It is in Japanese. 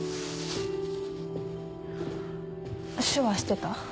手話してた？